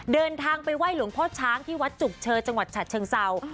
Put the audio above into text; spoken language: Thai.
เดินทางไปไหว้หลวงพ่อช้างที่วัดจุกเชอจังหวัดฉะเชิงเศร้า